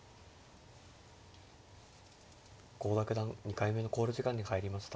郷田九段２回目の考慮時間に入りました。